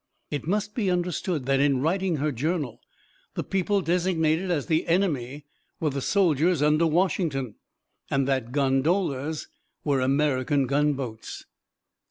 It must be understood that in writing her journal, the people designated as the "enemy" were the soldiers under Washington, and that "gondolas" were American gunboats.